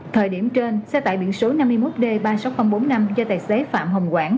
thời điểm trên xe tải biển số năm mươi một d ba mươi sáu nghìn bốn mươi năm do tài xế phạm hồng quảng